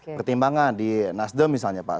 pertimbangan di nasdem misalnya pak